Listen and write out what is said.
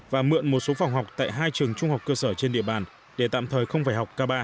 và mượn một số phòng học tại hai trường trung học cơ sở trên địa bàn để tạm thời không phải học ca ba